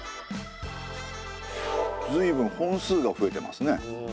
随分本数が増えてますね。